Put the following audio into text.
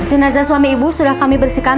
jenazah suami ibu sudah kami bersihkan